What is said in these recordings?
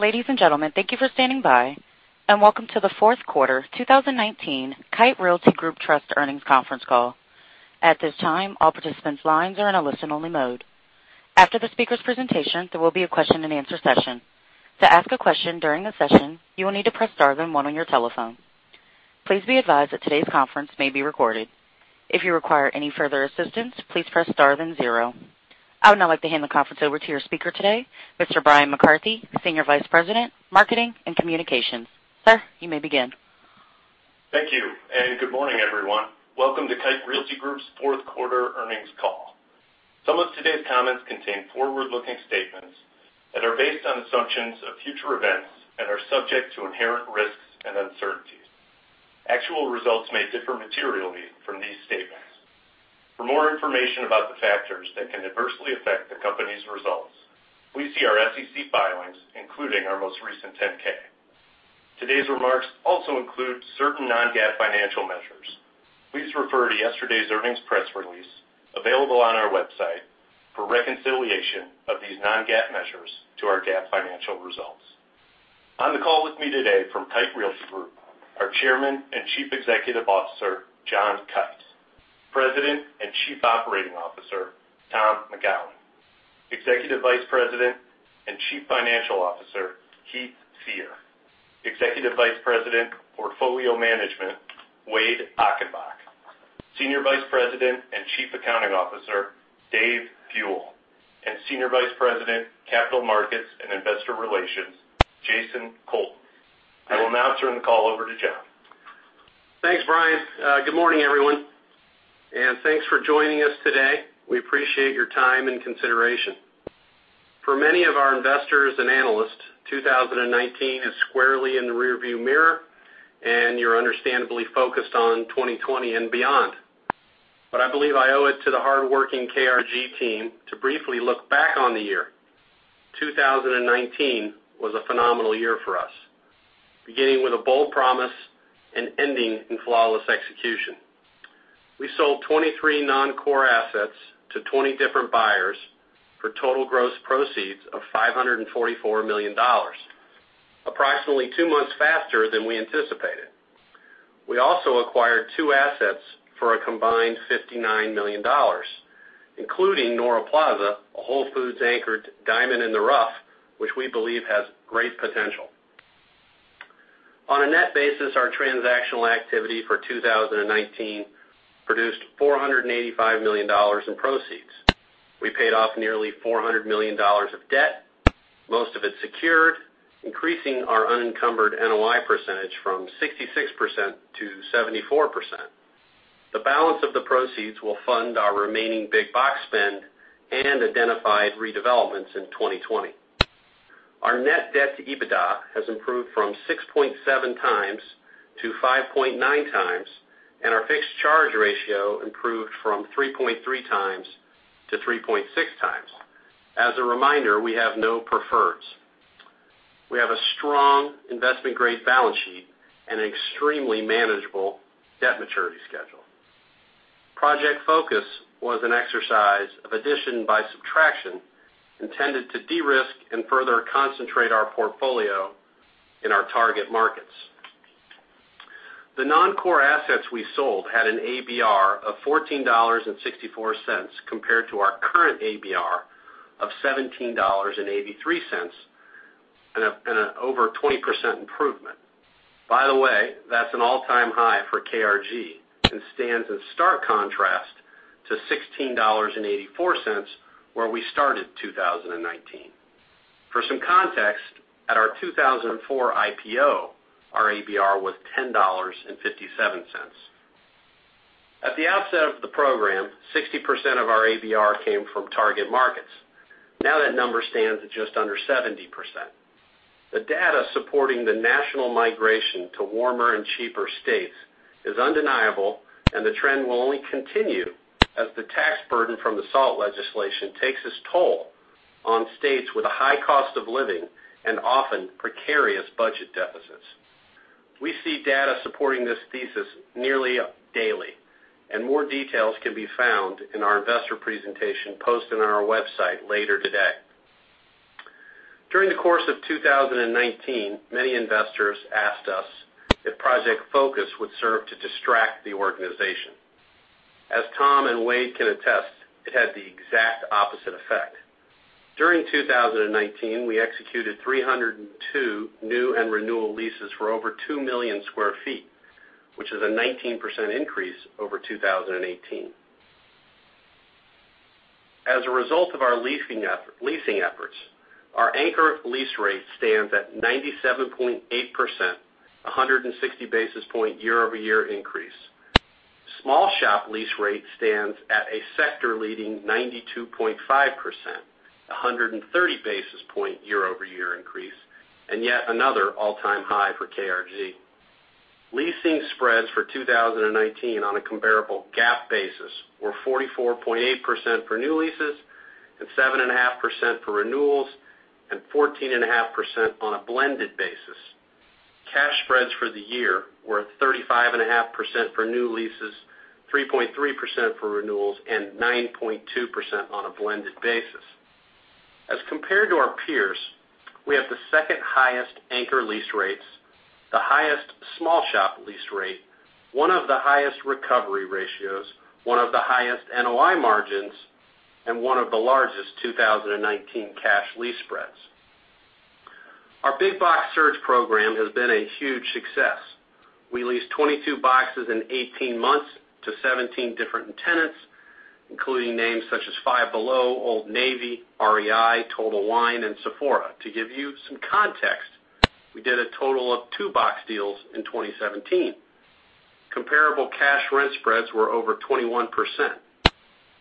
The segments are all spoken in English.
Ladies and gentlemen, thank you for standing by and welcome to the fourth quarter 2019 Kite Realty Group Trust Earnings Conference Call. At this time, all participants' lines are in a listen-only mode. After the speaker's presentation, there will be a question and answer session. To ask a question during the session, you will need to press star then one on your telephone. Please be advised that today's conference may be recorded. If you require any further assistance, please press star then zero. I would now like to hand the conference over to your speaker today, Mr. Bryan McCarthy, Senior Vice President, Corporate Marketing & Communications. Sir, you may begin. Thank you, and good morning, everyone. Welcome to Kite Realty Group's fourth quarter earnings call. Some of today's comments contain forward-looking statements that are based on assumptions of future events and are subject to inherent risks and uncertainties. Actual results may differ materially from these statements. For more information about the factors that can adversely affect the company's results, please see our SEC filings, including our most recent 10-K. Today's remarks also include certain non-GAAP financial measures. Please refer to yesterday's earnings press release available on our website for reconciliation of these non-GAAP measures to our GAAP financial results. On the call with me today from Kite Realty Group, our Chairman and Chief Executive Officer, John Kite; President and Chief Operating Officer, Tom McGowan; Executive Vice President and Chief Financial Officer, Heath Fear; Executive Vice President, Portfolio Management, Wade Achenbach; Senior Vice President and Chief Accounting Officer, Dave Buell; and Senior Vice President, Capital Markets and Investor Relations, Jason Cole. I will now turn the call over to John. Thanks, Bryan. Good morning, everyone. Thanks for joining us today. We appreciate your time and consideration. For many of our investors and analysts, 2019 is squarely in the rearview mirror. You're understandably focused on 2020 and beyond. I believe I owe it to the hardworking KRG team to briefly look back on the year. 2019 was a phenomenal year for us, beginning with a bold promise and ending in flawless execution. We sold 23 non-core assets to 20 different buyers for total gross proceeds of $544 million, approximately two months faster than we anticipated. We also acquired two assets for a combined $59 million, including Nora Plaza, a Whole Foods-anchored diamond in the rough, which we believe has great potential. On a net basis, our transactional activity for 2019 produced $485 million in proceeds. We paid off nearly $400 million of debt, most of it secured, increasing our unencumbered NOI percentage from 66% to 74%. The balance of the proceeds will fund our remaining big box spend and identified redevelopments in 2020. Our net debt to EBITDA has improved from 6.7x to 5.9x, and our fixed charge ratio improved from 3.3xto 3.6x. As a reminder, we have no preferreds. We have a strong investment-grade balance sheet and an extremely manageable debt maturity schedule. Project Focus was an exercise of addition by subtraction intended to de-risk and further concentrate our portfolio in our target markets. The non-core assets we sold had an ABR of $14.64 compared to our current ABR of $17.83, an over 20% improvement. By the way, that's an all-time high for KRG and stands in stark contrast to $16.84, where we started 2019. For some context, at our 2004 IPO, our ABR was $10.57. At the outset of the program, 60% of our ABR came from target markets. Now that number stands at just under 70%. The data supporting the national migration to warmer and cheaper states is undeniable, and the trend will only continue as the tax burden from the SALT legislation takes its toll on states with a high cost of living and often precarious budget deficits. We see data supporting this thesis nearly daily, and more details can be found in our investor presentation posted on our website later today. During the course of 2019, many investors asked us if Project Focus would serve to distract the organization. As Tom and Wade can attest, it had the exact opposite effect. During 2019, we executed 302 new and renewal leases for over 2 million sq ft which is a 19% increase over 2018. As a result of our leasing efforts, our anchor lease rate stands at 97.8%, 160 basis points year-over-year increase. Small shop lease rate stands at a sector-leading 92.5%, 130 basis points year-over-year increase, and yet another all-time high for KRG. Leasing spreads for 2019 on a comparable GAAP basis were 44.8% for new leases and 7.5% for renewals and 14.5% on a blended basis. Cash spreads for the year were 35.5% for new leases, 3.3% for renewals, and 9.2% on a blended basis. As compared to our peers, we have the second highest anchor lease rates, the highest small shop lease rate, one of the highest recovery ratios, one of the highest NOI margins, and one of the largest 2019 cash lease spreads. Our big box search program has been a huge success. We leased 22 boxes in 18 months to 17 different tenants, including names such as Five Below, Old Navy, REI, Total Wine, and Sephora. To give you some context, we did a total of two box deals in 2017. Comparable cash rent spreads were over 21%.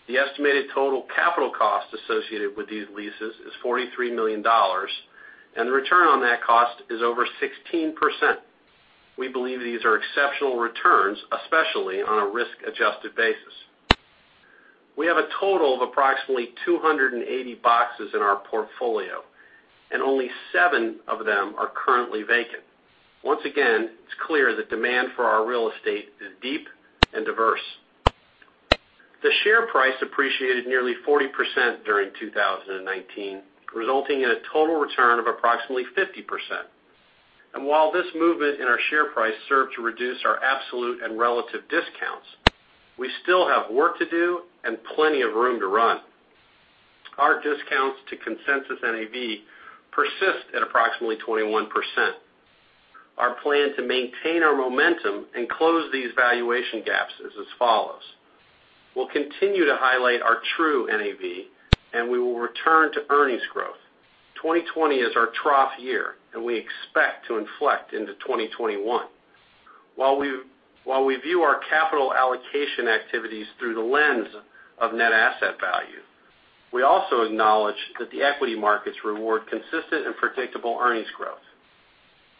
The estimated total capital cost associated with these leases is $43 million, and the return on that cost is over 16%. We believe these are exceptional returns, especially on a risk-adjusted basis. We have a total of approximately 280 boxes in our portfolio, and only seven of them are currently vacant. Once again, it's clear the demand for our real estate is deep and diverse. The share price appreciated nearly 40% during 2019, resulting in a total return of approximately 50%. While this movement in our share price served to reduce our absolute and relative discounts, we still have work to do and plenty of room to run. Our discounts to consensus NAV persist at approximately 21%. Our plan to maintain our momentum and close these valuation gaps is as follows. We'll continue to highlight our true NAV, and we will return to earnings growth. 2020 is our trough year, and we expect to inflect into 2021. While we view our capital allocation activities through the lens of net asset value, we also acknowledge that the equity markets reward consistent and predictable earnings growth.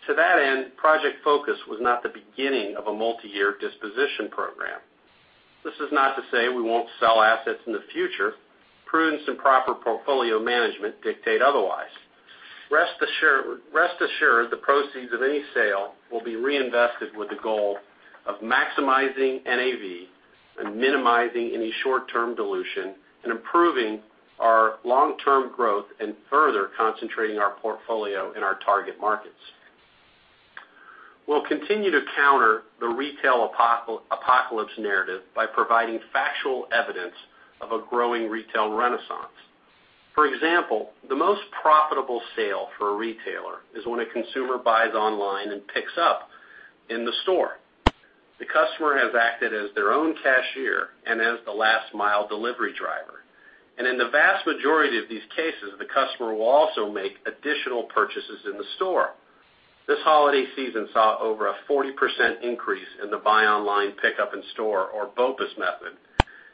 To that end, Project Focus was not the beginning of a multi-year disposition program. This is not to say we won't sell assets in the future. Prudence and proper portfolio management dictate otherwise. Rest assured, the proceeds of any sale will be reinvested with the goal of maximizing NAV and minimizing any short-term dilution, and improving our long-term growth, and further concentrating our portfolio in our target markets. We'll continue to counter the retail apocalypse narrative by providing factual evidence of a growing retail renaissance. For example, the most profitable sale for a retailer is when a consumer buys online and picks up in the store. The customer has acted as their own cashier and as the last mile delivery driver. In the vast majority of these cases, the customer will also make additional purchases in the store. This holiday season saw over a 40% increase in the buy online pickup in-store, or BOPUS method,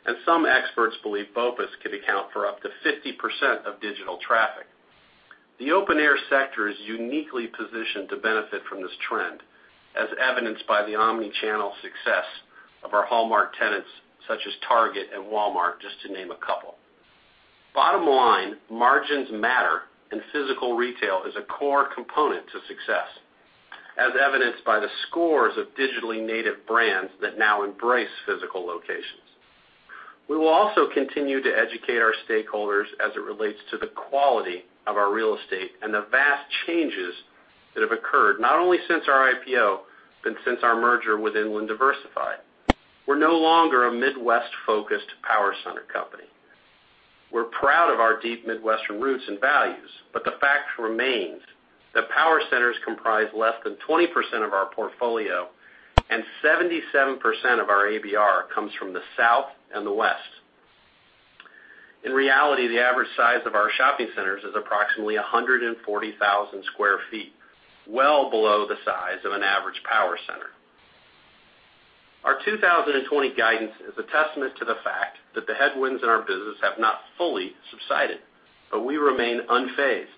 and some experts believe BOPUS could account for up to 50% of digital traffic. The open-air sector is uniquely positioned to benefit from this trend, as evidenced by the omni-channel success of our hallmark tenants such as Target and Walmart, just to name a couple. Bottom line, margins matter, and physical retail is a core component to success, as evidenced by the scores of digitally native brands that now embrace physical locations. We will also continue to educate our stakeholders as it relates to the quality of our real estate and the vast changes that have occurred, not only since our IPO, but since our merger with Inland Diversified. We're no longer a Midwest-focused power center company. We're proud of our deep Midwestern roots and values, the fact remains that power centers comprise less than 20% of our portfolio, and 77% of our ABR comes from the South and the West. In reality, the average size of our shopping centers is approximately 140,000 sq ft, well below the size of an average power center. Our 2020 guidance is a testament to the fact that the headwinds in our business have not fully subsided, but we remain unfazed.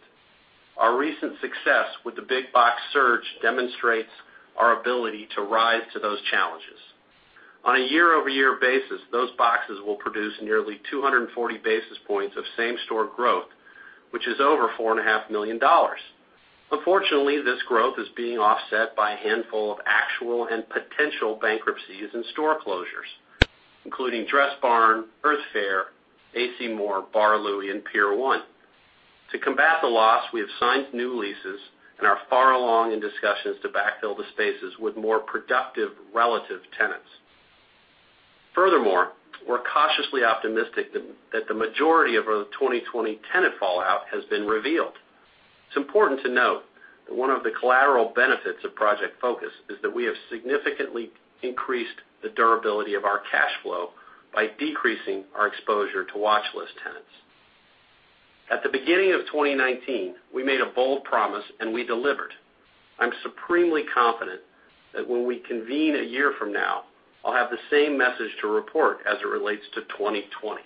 Our recent success with the big box surge demonstrates our ability to rise to those challenges. On a year-over-year basis, those boxes will produce nearly 240 basis points of same-store growth, which is over $4.5 million. Unfortunately, this growth is being offset by a handful of actual and potential bankruptcies and store closures, including Dressbarn, Earth Fare, A.C. Moore, Bar Louie, and Pier 1. To combat the loss, we have signed new leases and are far along in discussions to backfill the spaces with more productive relative tenants. Furthermore, we're cautiously optimistic that the majority of our 2020 tenant fallout has been revealed. It's important to note that one of the collateral benefits of Project Focus is that we have significantly increased the durability of our cash flow by decreasing our exposure to watchlist tenants. At the beginning of 2019, we made a bold promise. We delivered. I'm supremely confident that when we convene a year from now, I'll have the same message to report as it relates to 2020.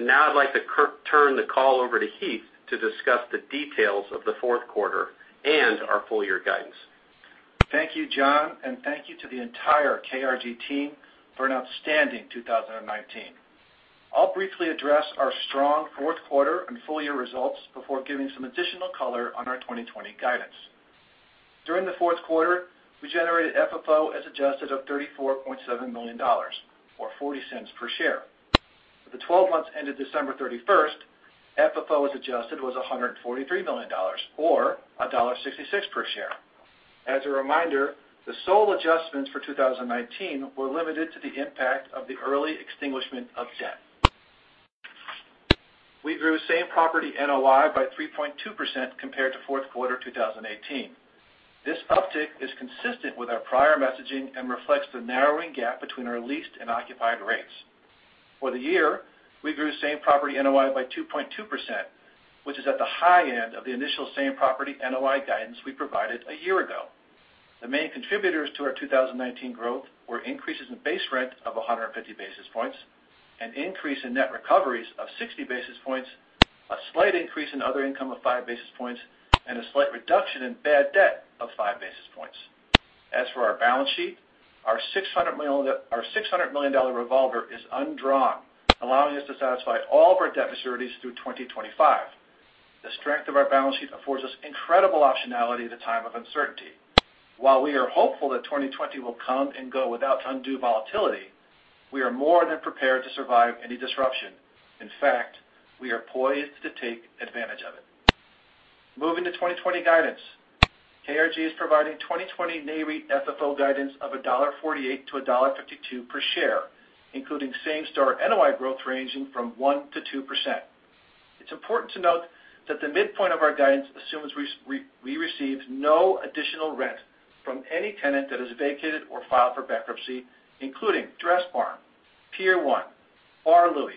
Now I'd like to turn the call over to Heath to discuss the details of the fourth quarter and our full-year guidance. Thank you, John, and thank you to the entire KRG team for an outstanding 2019. I'll briefly address our strong fourth quarter and full-year results before giving some additional color on our 2020 guidance. During the fourth quarter, we generated FFO as adjusted of $34.7 million or $0.40 per share. For the 12 months ended December 31st, FFO as adjusted was $143 million or $1.66 per share. As a reminder, the sole adjustments for 2019 were limited to the impact of the early extinguishment of debt. We grew same-property NOI by 3.2% compared to fourth quarter 2018. This uptick is consistent with our prior messaging and reflects the narrowing gap between our leased and occupied rates. For the year, we grew same-property NOI by 2.2%, which is at the high end of the initial same-property NOI guidance we provided a year ago. The main contributors to our 2019 growth were increases in base rent of 150 basis points, an increase in net recoveries of 60 basis points, a slight increase in other income of five basis points, and a slight reduction in bad debt of five basis points. As for our balance sheet, our $600 million revolver is undrawn, allowing us to satisfy all of our debt maturities through 2025. The strength of our balance sheet affords us incredible optionality at a time of uncertainty. While we are hopeful that 2020 will come and go without undue volatility, we are more than prepared to survive any disruption. In fact, we are poised to take advantage of it. Moving to 2020 guidance. KRG is providing 2020 NAREIT FFO guidance of $1.48 to $1.52 per share, including same-store NOI growth ranging from 1%-2%. It's important to note that the midpoint of our guidance assumes we received no additional rent from any tenant that has vacated or filed for bankruptcy, including Dressbarn, Pier 1, Bar Louie,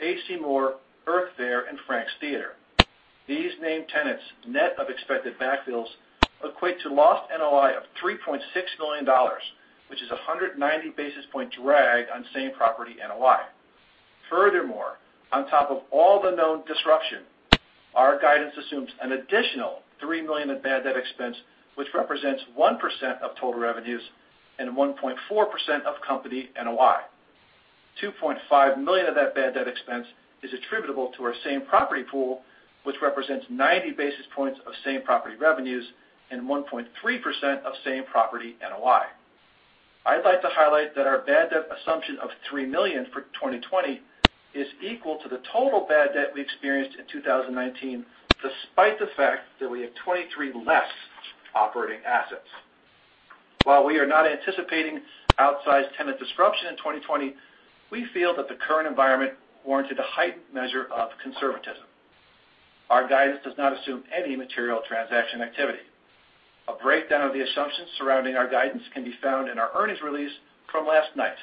A.C. Moore, Earth Fare, and Frank Theatres. These named tenants, net of expected backfills, equate to lost NOI of $3.6 million, which is 190-basis point drag on same-property NOI. On top of all the known disruption, our guidance assumes an additional $3 million in bad debt expense, which represents 1% of total revenues and 1.4% of company NOI. $2.5 million of that bad debt expense is attributable to our same-property pool, which represents 90 basis points of same-property revenues and 1.3% of same-property NOI. I'd like to highlight that our bad debt assumption of $3 million for 2020 is equal to the total bad debt we experienced in 2019, despite the fact that we have 23 less operating assets. While we are not anticipating outsized tenant disruption in 2020, we feel that the current environment warranted a heightened measure of conservatism. Our guidance does not assume any material transaction activity. A breakdown of the assumptions surrounding our guidance can be found in our earnings release from last night.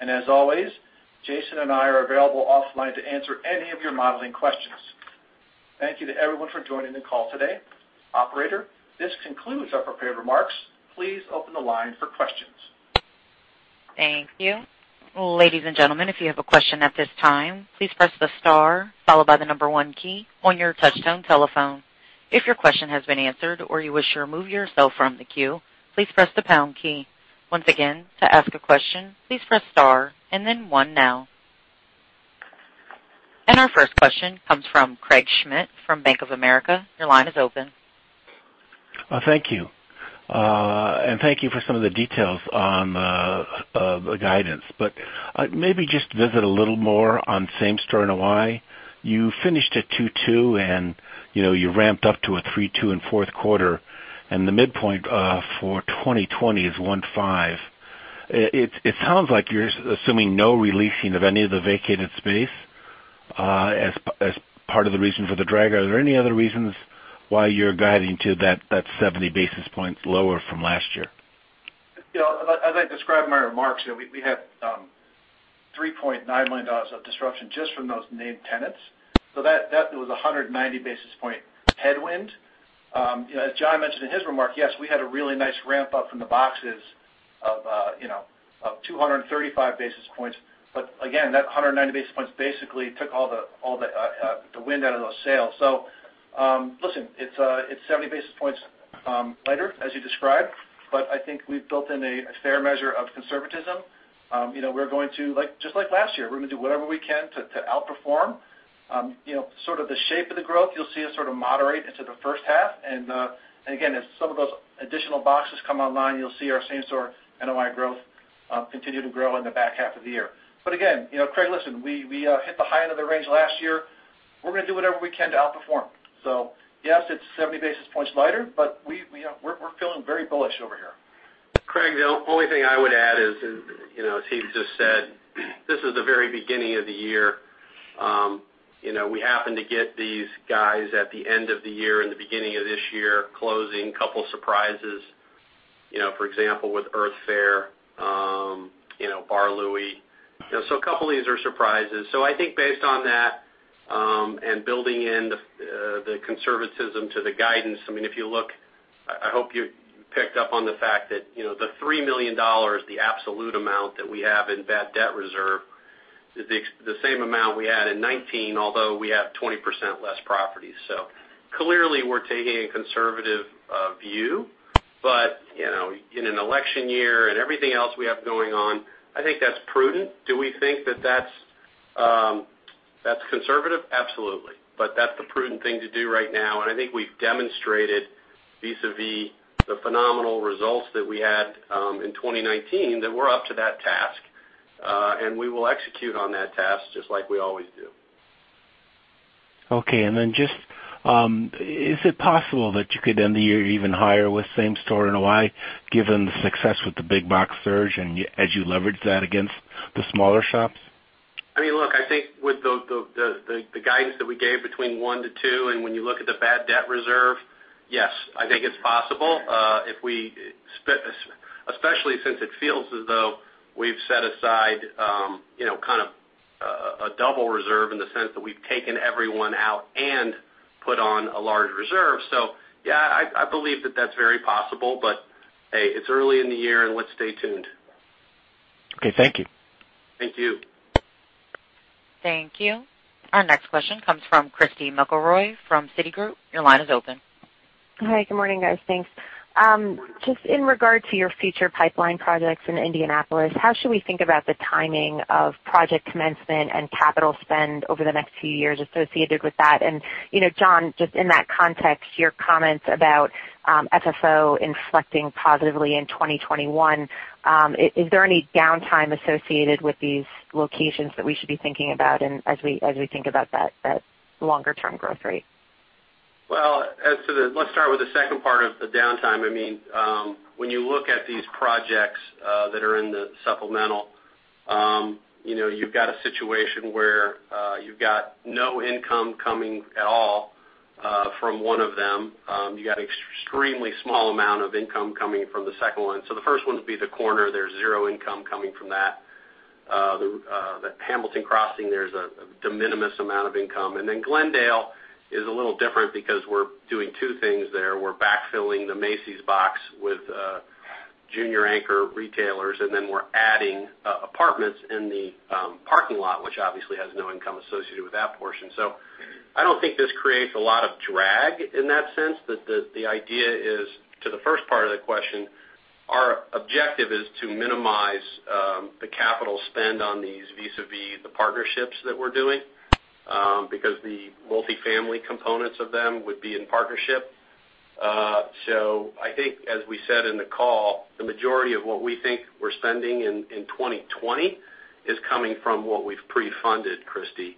As always, Jason and I are available offline to answer any of your modeling questions. Thank you to everyone for joining the call today. Operator, this concludes our prepared remarks. Please open the line for questions. Thank you. Ladies and gentlemen, if you have a question at this time, please press the star followed by the number one key on your touch-tone telephone. If your question has been answered or you wish to remove yourself from the queue, please press the pound key. Once again, to ask a question, please press star and then one now. Our first question comes from Craig Schmidt from Bank of America. Your line is open. Thank you. Thank you for some of the details on the guidance. Maybe just visit a little more on same-store NOI. You finished at 2.2, you ramped up to a 3.2 in the fourth quarter, the midpoint for 2020 is 1.5. It sounds like you're assuming no re-leasing of any of the vacated space as part of the reason for the drag. Are there any other reasons why you're guiding to that 70 basis points lower from last year? As I described in my remarks, we have [$3.9 million] of disruption just from those named tenants. That was a 190-basis point headwind. As John mentioned in his remarks, yes, we had a really nice ramp-up from the boxes of 235 basis points. Again, that 190 basis points basically took all the wind out of those sails. Listen, it's 70 basis points lighter, as you described, but I think we've built in a fair measure of conservatism. Just like last year, we're going to do whatever we can to outperform. Sort of the shape of the growth, you'll see us sort of moderate into the first half. Again, as some of those additional boxes come online, you'll see our same-store NOI growth continue to grow in the back half of the year. Again, Craig, listen, we hit the high end of the range last year. We're going to do whatever we can to outperform. Yes, it's 70 basis points lighter, but we're feeling very bullish over here. Craig, the only thing I would add is, as he just said, this is the very beginning of the year. We happen to get these guys at the end of the year and the beginning of this year closing, a couple surprises, for example, with Earth Fare, Bar Louie. A couple of these are surprises. I think based on that and building in the conservatism to the guidance, if you look, I hope you picked up on the fact that the $3 million, the absolute amount that we have in bad debt reserve is the same amount we had in 2019, although we have 20% less property. Clearly we're taking a conservative view. In an election year and everything else we have going on, I think that's prudent. Do we think that that's conservative? Absolutely. That's the prudent thing to do right now, and I think we've demonstrated, vis-a-vis the phenomenal results that we had in 2019, that we're up to that task, and we will execute on that task just like we always do. Is it possible that you could end the year even higher with same store NOI, given the success with the big box surge and as you leverage that against the smaller shops? Look, I think with the guidance that we gave between one to two, and when you look at the bad debt reserve, yes, I think it's possible. Especially since it feels as though we've set aside kind of a double reserve in the sense that we've taken everyone out and put on a large reserve. Yeah, I believe that that's very possible, but hey, it's early in the year and let's stay tuned. Okay. Thank you. Thank you. Thank you. Our next question comes from Christy McElroy from Citigroup. Your line is open. Hi, good morning, guys. Thanks. Just in regard to your future pipeline projects in Indianapolis, how should we think about the timing of project commencement and capital spend over the next few years associated with that? John, just in that context, your comments about FFO inflecting positively in 2021, is there any downtime associated with these locations that we should be thinking about as we think about that longer-term growth rate? Let's start with the second part of the downtime. When you look at these projects that are in the supplemental, you've got a situation where you've got no income coming at all from one of them. You got extremely small amount of income coming from the second one. The first one would be the corner. There's zero income coming from that. The Hamilton Crossing, there's a de minimis amount of income. Glendale is a little different because we're doing two things there. We're backfilling the Macy's box with junior anchor retailers, and then we're adding apartments in the parking lot, which obviously has no income associated with that portion. I don't think this creates a lot of drag in that sense, that the idea is to the first part of the question, our objective is to minimize the capital spend on these vis-a-vis the partnerships that we're doing, because the multifamily components of them would be in partnership. I think as we said in the call, the majority of what we think we're spending in 2020 is coming from what we've pre-funded, Christy.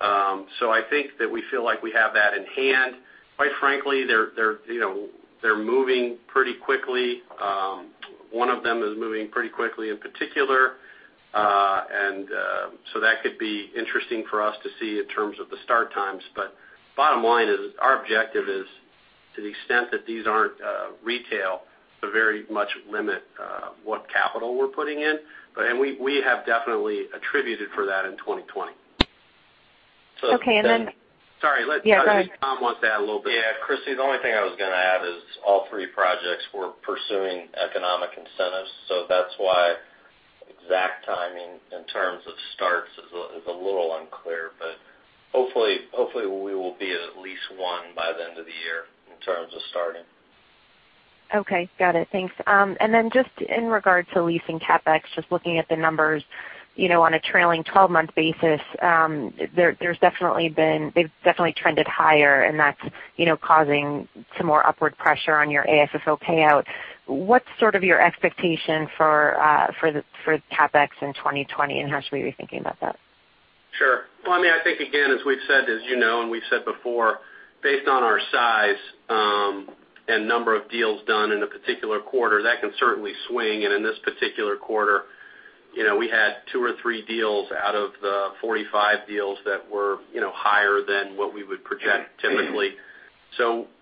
I think that we feel like we have that in hand. Quite frankly, they're moving pretty quickly. One of them is moving pretty quickly in particular. That could be interesting for us to see in terms of the start times. Bottom line is our objective is to the extent that these aren't retail, to very much limit what capital we're putting in. We have definitely attributed for that in 2020. Okay. Sorry. Yeah, go ahead. Tom wants to add a little bit. Yeah, Christy, the only thing I was going to add is all three projects we're pursuing economic incentives, so that's why exact timing in terms of starts is a little unclear, but hopefully, we will be at least one by the end of the year in terms of starting. Okay. Got it. Thanks. Then just in regard to leasing CapEx, just looking at the numbers on a trailing 12-month basis, they've definitely trended higher, and that's causing some more upward pressure on your AFFO payout. What's sort of your expectation for the CapEx in 2020, and how should we be thinking about that? Sure. Well, I think, again, as we've said, as you know, and we've said before, based on our size, and number of deals done in a particular quarter, that can certainly swing, and in this particular quarter, we had two or three deals out of the 45 deals that were higher than what we would project typically.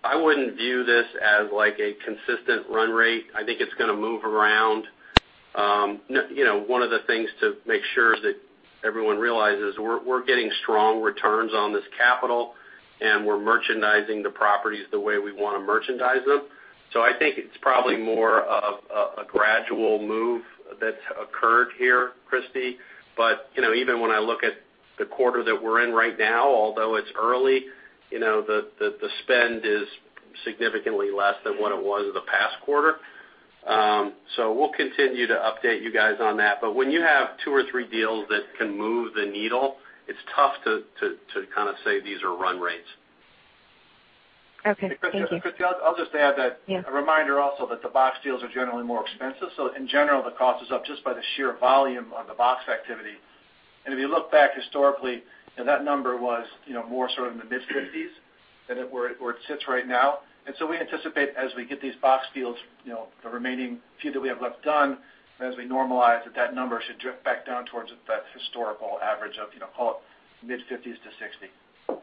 I wouldn't view this as like a consistent run rate. I think it's going to move around. One of the things to make sure that everyone realizes, we're getting strong returns on this capital, and we're merchandising the properties the way we want to merchandise them. I think it's probably more of a gradual move that's occurred here, Christy. Even when I look at the quarter that we're in right now, although it's early, the spend is significantly less than what it was in the past quarter. We'll continue to update you guys on that, but when you have two or three deals that can move the needle, it's tough to kind of say these are run rates. Okay. Thank you. Hey, Christy, I'll just add. Yeah. A reminder also that the box deals are generally more expensive, so in general, the cost is up just by the sheer volume of the box activity. If you look back historically, that number was more sort of in the mid-50s than where it sits right now. We anticipate as we get these box deals, the remaining few that we have left done, as we normalize it, that number should drift back down towards that historical average of, call it mid-50s to 60.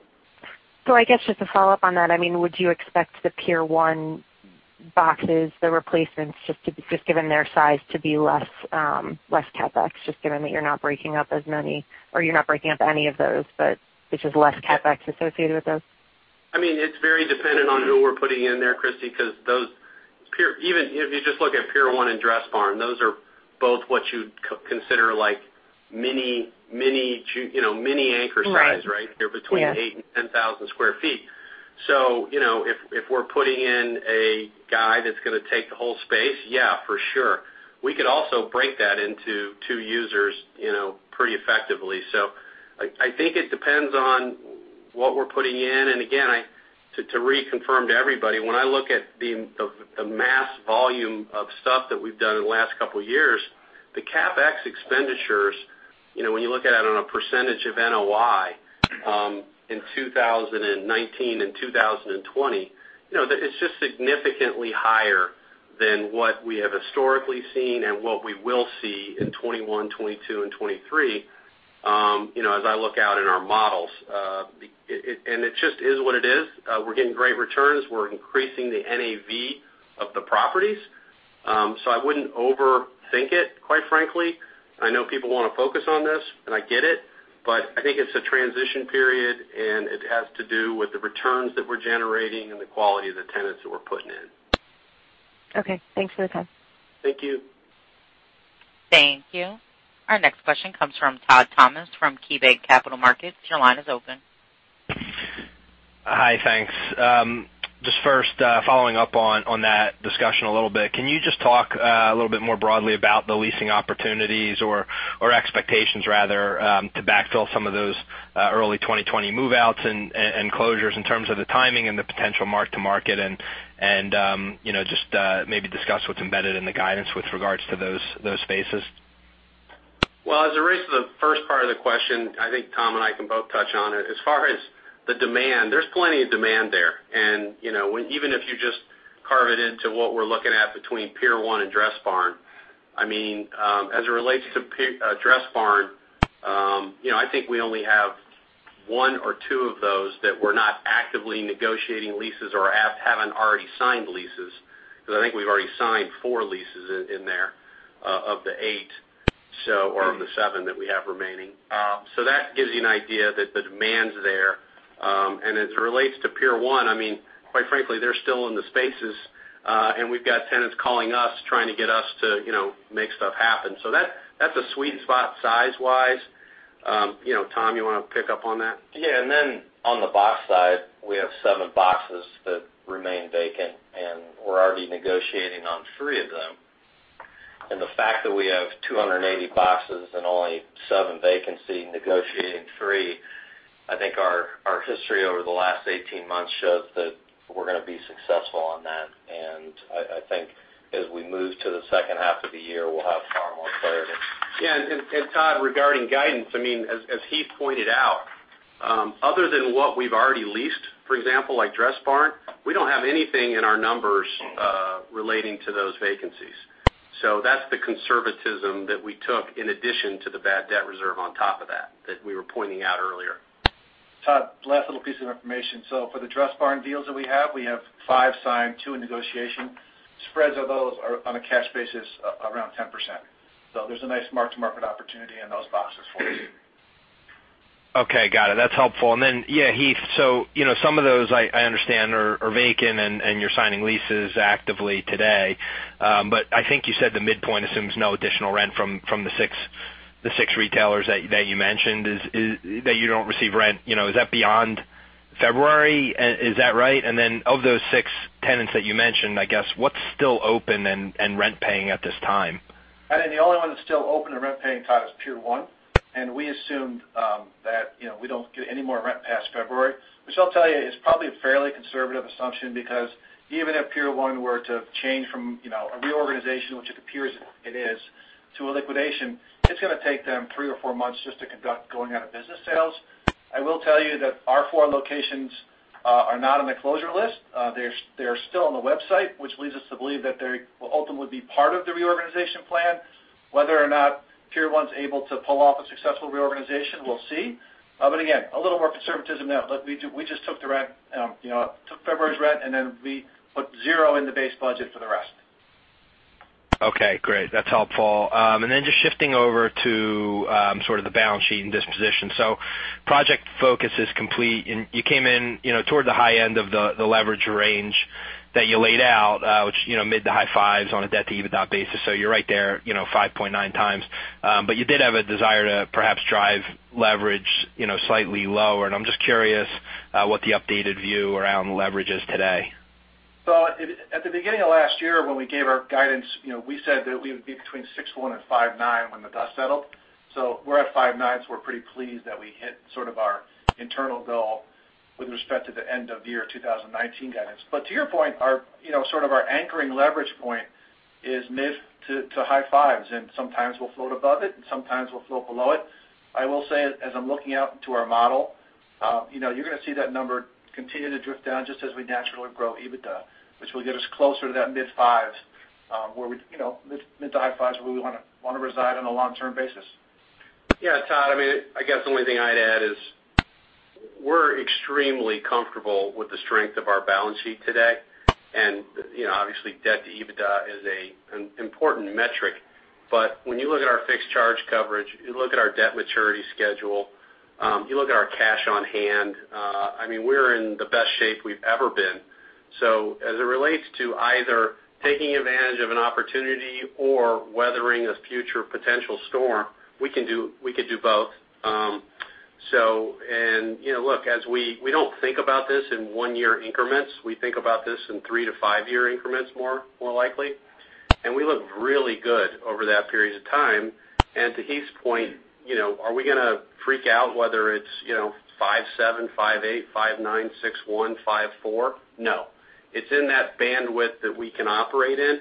I guess just to follow up on that, would you expect the Pier 1 boxes, the replacements, just given their size, to be less CapEx, just given that you're not breaking up as many, or you're not breaking up any of those, but there's just less CapEx associated with those? It's very dependent on who we're putting in there, Christy, because if you just look at Pier 1 and Dressbarn, those are both what you'd consider like mini anchor size, right? Right. Yeah. They're between 8,000 and 10,000 sq ft. If we're putting in a guy that's going to take the whole space, yeah, for sure. We could also break that into two users pretty effectively. I think it depends on what we're putting in. Again, to reconfirm to everybody, when I look at the mass volume of stuff that we've done in the last couple of years, the CapEx expenditures, when you look at it on a percentage of NOI, in 2019 and 2020, it's just significantly higher than what we have historically seen and what we will see in 2021, 2022, and 2023, as I look out in our models. It just is what it is. We're getting great returns. We're increasing the NAV of the properties. I wouldn't overthink it, quite frankly. I know people want to focus on this, and I get it, but I think it's a transition period, and it has to do with the returns that we're generating and the quality of the tenants that we're putting in. Okay. Thanks for the time. Thank you. Thank you. Our next question comes from Todd Thomas from KeyBanc Capital Markets. Your line is open. Hi, thanks. Just first, following up on that discussion a little bit. Can you just talk a little bit more broadly about the leasing opportunities or expectations, rather, to backfill some of those early 2020 move-outs and closures in terms of the timing and the potential mark to market and just maybe discuss what's embedded in the guidance with regards to those spaces? As it relates to the first part of the question, I think Tom and I can both touch on it. As far as the demand, there's plenty of demand there. Even if you just carve it into what we're looking at between Pier 1 and Dressbarn, as it relates to Dressbarn, I think we only have one or two of those that we're not actively negotiating leases or haven't already signed leases, because I think we've already signed four leases in there, of the eight, or of the seven that we have remaining. That gives you an idea that the demand's there. As it relates to Pier 1, quite frankly, they're still in the spaces. We've got tenants calling us, trying to get us to make stuff happen. That's a sweet spot size-wise. Tom, you want to pick up on that? Yeah, then on the box side, we have seven boxes that remain vacant, and we're already negotiating on three of them. The fact that we have 280 boxes and only seven vacancy, negotiating three, I think our history over the last 18 months shows that we're going to be successful on that. I think as we move to the second half of the year, we'll have far more clarity. Yeah. Todd, regarding guidance, as Heath pointed out, other than what we've already leased, for example, like Dressbarn, we don't have anything in our numbers relating to those vacancies. That's the conservatism that we took in addition to the bad debt reserve on top of that we were pointing out earlier. Todd, last little piece of information. For the Dressbarn deals that we have, we have five signed, two in negotiation. Spreads of those are on a cash basis, around 10%. There's a nice mark-to-market opportunity in those boxes for you. Okay. Got it. That's helpful. Heath, some of those I understand are vacant and you're signing leases actively today. I think you said the midpoint assumes no additional rent from the six retailers that you mentioned, that you don't receive rent. Is that beyond February? Is that right? Of those six tenants that you mentioned, what's still open and rent paying at this time? I think the only one that's still open and rent paying, Todd, is Pier 1. We assumed that we don't get any more rent past February, which I'll tell you is probably a fairly conservative assumption because even if Pier 1 were to change from a reorganization, which it appears it is, to a liquidation, it's going to take them three or four months just to conduct going-out-of-business sales. I will tell you that our four locations are not on the closure list. They're still on the website, which leads us to believe that they will ultimately be part of the reorganization plan. Whether or not Pier 1's able to pull off a successful reorganization, we'll see. Again, a little more conservatism there. We just took February's rent, and then we put zero in the base budget for the rest. Okay, great. That's helpful. Then just shifting over to sort of the balance sheet and disposition. Project Focus is complete, and you came in toward the high end of the leverage range that you laid out, which mid to high fives on a debt-to-EBITDA basis. You're right there, 5.9x. You did have a desire to perhaps drive leverage slightly lower. I'm just curious what the updated view around leverage is today. At the beginning of last year, when we gave our guidance, we said that we would be between 6.1 and 5.9 when the dust settled. We're at 5.9, so we're pretty pleased that we hit sort of our internal goal with respect to the end-of-year 2019 guidance. To your point, sort of our anchoring leverage point is mid to high fives, and sometimes we'll float above it, and sometimes we'll float below it. I will say, as I'm looking out into our model, you're going to see that number continue to drift down just as we naturally grow EBITDA, which will get us closer to that mid fives, mid to high fives, where we want to reside on a long-term basis. Todd, I guess the only thing I'd add is we're extremely comfortable with the strength of our balance sheet today. Obviously, debt to EBITDA is an important metric. When you look at our fixed charge coverage, you look at our debt maturity schedule, you look at our cash on hand, we're in the best shape we've ever been. As it relates to either taking advantage of an opportunity or weathering a future potential storm, we can do both. Look, we don't think about this in one-year increments. We think about this in three- to five-year increments more likely, and we look really good over that period of time. To Heath's point, are we going to freak out whether it's 5.7, 5.8, 5.9, 6.1, 5.4? No. It's in that bandwidth that we can operate in,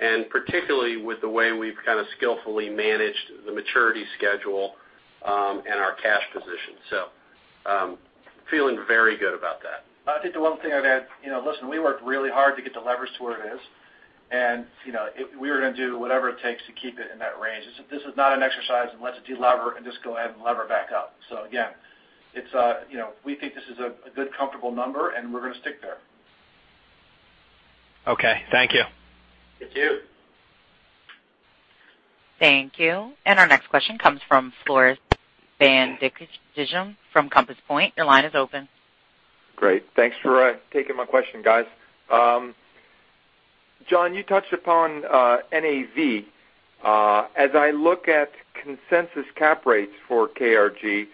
and particularly with the way we've skillfully managed the maturity schedule and our cash position. Feeling very good about that. I think the one thing I'd add, listen, we worked really hard to get the leverage to where it is. We are going to do whatever it takes to keep it in that range. This is not an exercise in let's de-lever and just go ahead and lever back up. Again, we think this is a good, comfortable number and we're going to stick there. Okay. Thank you. Thank you. Thank you. Our next question comes from Floris van Dijkum from Compass Point. Your line is open. Great. Thanks for taking my question, guys. John, you touched upon NAV. As I look at consensus cap rates for KRG,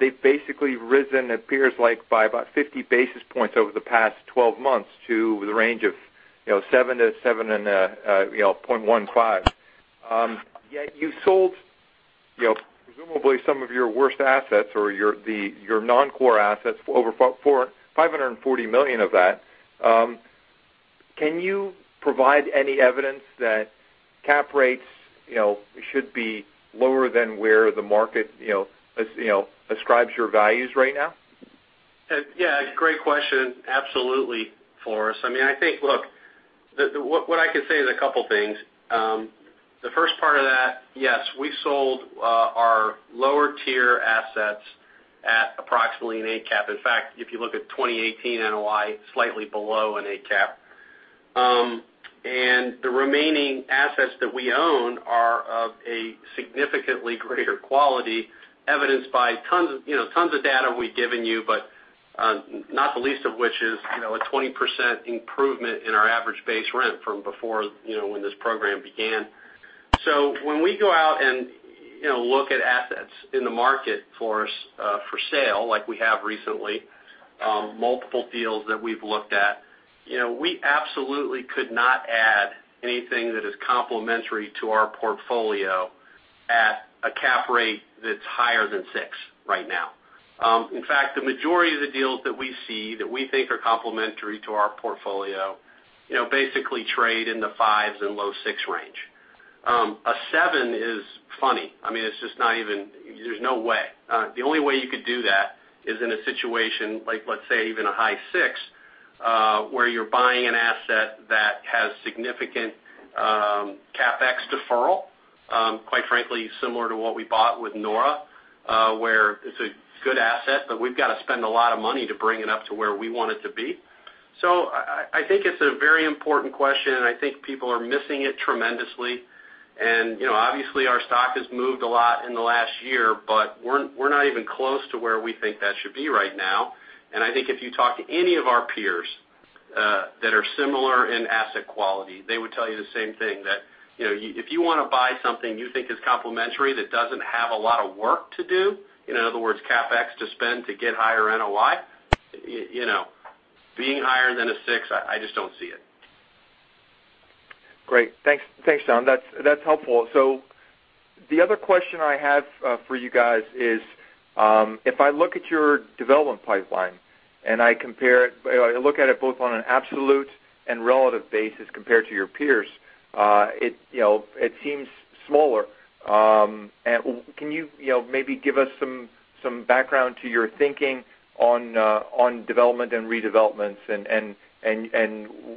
they've basically risen, appears like by about 50 basis points over the past 12 months to the range of 7-7.15. Yet you sold presumably some of your worst assets or your non-core assets for over $540 million of that. Can you provide any evidence that cap rates should be lower than where the market ascribes your values right now? Great question. Absolutely, Floris. I think, look, what I can say is a couple things. The first part of that, yes, we've sold our lower-tier assets at approximately an 8 cap. If you look at 2018 NOI, slightly below an 8 cap. The remaining assets that we own are of a significantly greater quality, evidenced by tons of data we've given you, but not the least of which is a 20% improvement in our average base rent from before when this program began. When we go out and look at assets in the market for sale, like we have recently, multiple deals that we've looked at, we absolutely could not add anything that is complementary to our portfolio at a cap rate that's higher than six right now. In fact, the majority of the deals that we see that we think are complementary to our portfolio basically trade in the fives and low six range. A seven is funny. There's no way. The only way you could do that is in a situation like, let's say, even a high six, where you're buying an asset that has significant CapEx deferral. Quite frankly, similar to what we bought with Nora, where it's a good asset, but we've got to spend a lot of money to bring it up to where we want it to be. I think it's a very important question, and I think people are missing it tremendously. Obviously, our stock has moved a lot in the last year, but we're not even close to where we think that should be right now. I think if you talk to any of our peers that are similar in asset quality, they would tell you the same thing, that if you want to buy something you think is complementary that doesn't have a lot of work to do, in other words, CapEx to spend to get higher NOI, being higher than a six, I just don't see it. Great. Thanks, John. That's helpful. The other question I have for you guys is, if I look at your development pipeline and I look at it both on an absolute and relative basis compared to your peers, it seems smaller. Can you maybe give us some background to your thinking on development and redevelopments and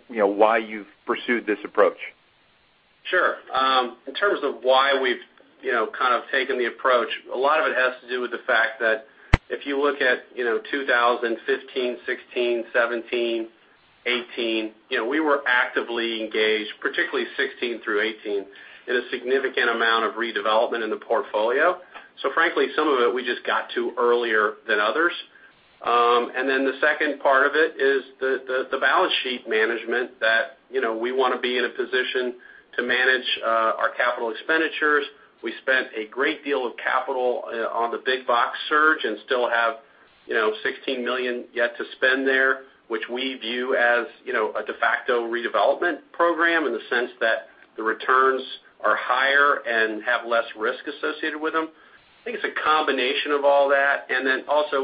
why you've pursued this approach? Sure. In terms of why we've kind of taken the approach, a lot of it has to do with the fact that if you look at 2015, 2016, 2017, 2018, we were actively engaged, particularly 2016 through 2018, in a significant amount of redevelopment in the portfolio. Frankly, some of it we just got to earlier than others. The second part of it is the balance sheet management that we want to be in a position to manage our capital expenditures. We spent a great deal of capital on the big box search and still have $16 million yet to spend there, which we view as a de facto redevelopment program in the sense that the returns are higher and have less risk associated with them. I think it's a combination of all that.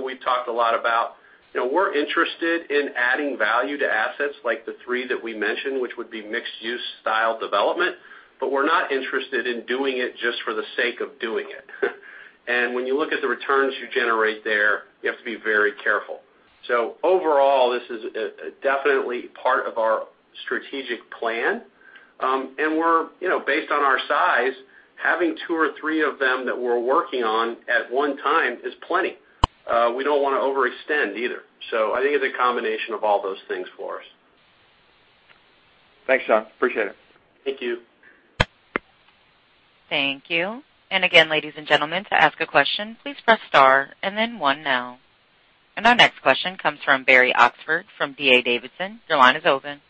We've talked a lot about we're interested in adding value to assets like the three that we mentioned, which would be mixed-use style development, but we're not interested in doing it just for the sake of doing it. When you look at the returns you generate there, you have to be very careful. Overall, this is definitely part of our strategic plan. Based on our size, having two or three of them that we're working on at one time is plenty. We don't want to overextend either. I think it's a combination of all those things for us. Thanks, John. Appreciate it. Thank you. Thank you. Again, ladies and gentlemen, to ask a question, please press star and then one now. Our next question comes from Barry Oxford from D.A. Davidson. Your line is open.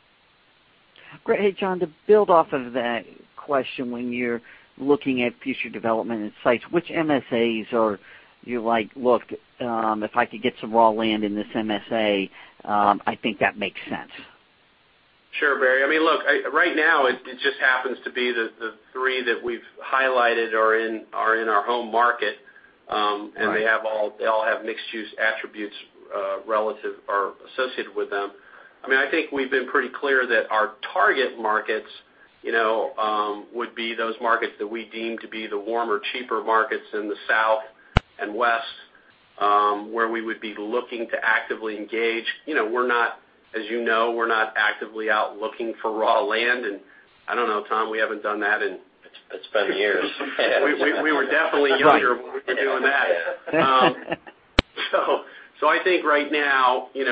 Great. Hey, John, to build off of that question, when you're looking at future development and sites, which MSAs are you like, "Look, if I could get some raw land in this MSA, I think that makes sense. Sure, Barry. Look, right now, it just happens to be the three that we've highlighted are in our home market. Right. They all have mixed-use attributes relative or associated with them. I think we've been pretty clear that our target markets would be those markets that we deem to be the warmer, cheaper markets in the south and west, where we would be looking to actively engage. As you know, we're not actively out looking for raw land, and I don't know, Tom, we haven't done that. It's been years. We were definitely younger when we were doing that. I think right now, we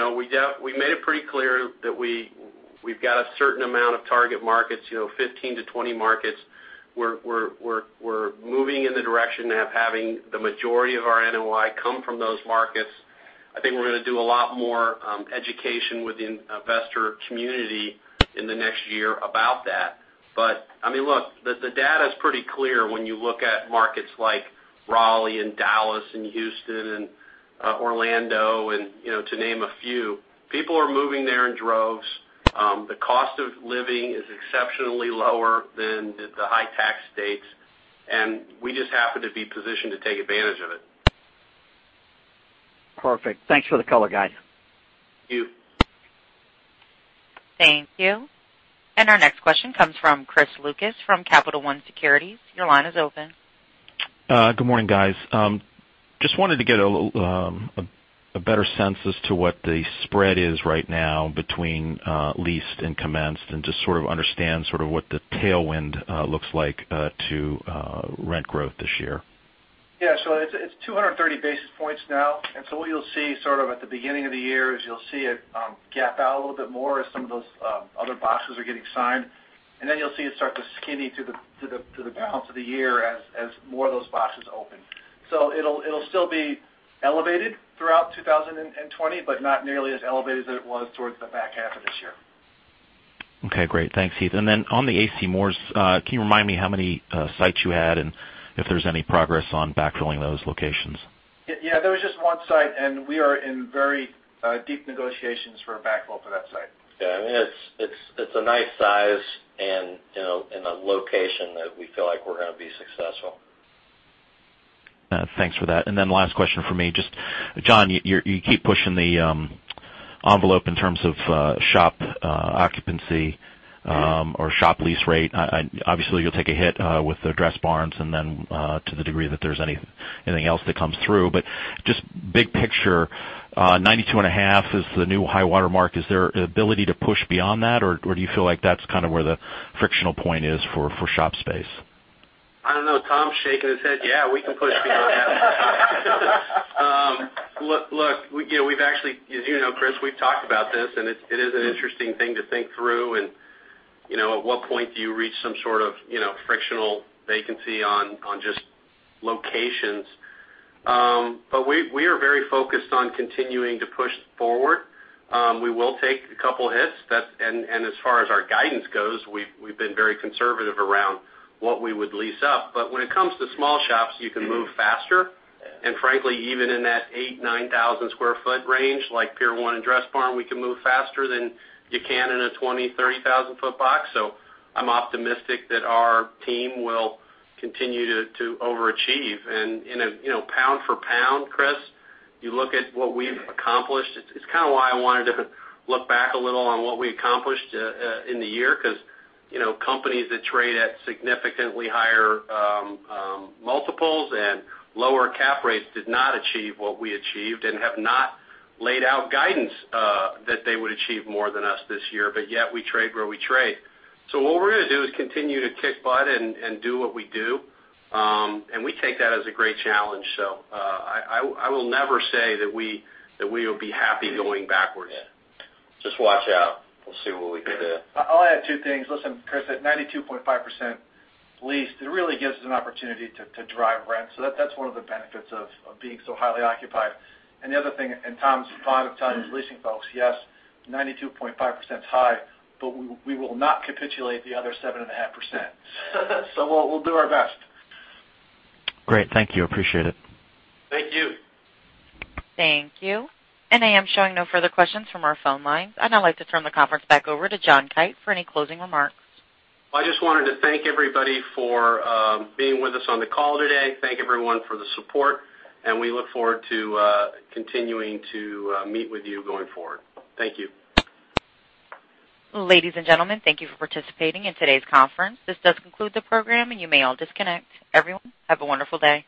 made it pretty clear that we've got a certain amount of target markets, 15-20 markets. We're moving in the direction of having the majority of our NOI come from those markets. I think we're going to do a lot more education with the investor community in the next year about that. Look, the data's pretty clear when you look at markets like Raleigh and Dallas and Houston and Orlando, to name a few. People are moving there in droves. The cost of living is exceptionally lower than the high-tax states, and we just happen to be positioned to take advantage of it. Perfect. Thanks for the color, guys. Thank you. Thank you. Our next question comes from Chris Lucas from Capital One Securities. Your line is open. Good morning, guys. Just wanted to get a better sense as to what the spread is right now between leased and commenced, and just sort of understand what the tailwind looks like to rent growth this year. Yeah. It's 230 basis points now. What you'll see at the beginning of the year is you'll see it gap out a little bit more as some of those other boxes are getting signed, and then you'll see it start to skinny to the balance of the year as more of those boxes open. It'll still be elevated throughout 2020, but not nearly as elevated as it was towards the back half of this year. Okay, great. Thanks, Heath. Then on the A.C. Moore, can you remind me how many sites you had and if there's any progress on backfilling those locations? Yeah. There was just one site, and we are in very deep negotiations for a backfill for that site. Yeah. It's a nice size and a location that we feel like we're gonna be successful. Thanks for that. Last question from me, just, John, you keep pushing the envelope in terms of shop occupancy or shop lease rate. Obviously, you'll take a hit with the Dressbarns and then to the degree that there's anything else that comes through. Just big picture, 92.5 is the new high water mark. Is there ability to push beyond that, or do you feel like that's kind of where the frictional point is for shop space? I don't know. Tom's shaking his head. Yeah, we can push beyond that. Look, as you know, Chris, we've talked about this. It is an interesting thing to think through. At what point do you reach some sort of frictional vacancy on just locations? We are very focused on continuing to push forward. We will take a couple hits. As far as our guidance goes, we've been very conservative around what we would lease up. When it comes to small shops, you can move faster. Frankly, even in that 8,000 sq ft-9,000 sq ft range, like Pier 1 and Dressbarn, we can move faster than you can in a 20,000-30,000-foot box. I'm optimistic that our team will continue to overachieve. Pound for pound, Chris, you look at what we've accomplished, it's kind of why I wanted to look back a little on what we accomplished in the year because companies that trade at significantly higher multiples and lower cap rates did not achieve what we achieved and have not laid out guidance that they would achieve more than us this year, but yet we trade where we trade. What we're gonna do is continue to kick butt and do what we do, and we take that as a great challenge. I will never say that we will be happy going backward. Yeah. Just watch out. We'll see what we can do. I'll add two things. Listen, Chris, at 92.5% leased, it really gives us an opportunity to drive rent. That's one of the benefits of being so highly occupied. The other thing, and Tom's proud of telling his leasing folks, yes, 92.5%'s high, but we will not capitulate the other 7.5%. We'll do our best. Great. Thank you. Appreciate it. Thank you. Thank you. I am showing no further questions from our phone lines. I'd now like to turn the conference back over to John Kite for any closing remarks. I just wanted to thank everybody for being with us on the call today. Thank everyone for the support, and we look forward to continuing to meet with you going forward. Thank you. Ladies and gentlemen, thank you for participating in today's conference. This does conclude the program, and you may all disconnect. Everyone, have a wonderful day.